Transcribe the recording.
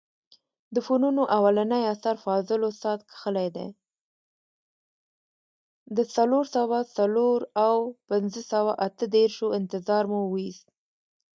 د څلور سوه څلور او پنځه سوه اته دیرشو انتظار مو وېست.